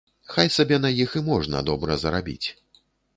Хай сабе на іх і можна добра зарабіць.